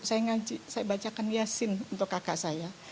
saya ngaji saya bacakan yasin untuk kakak saya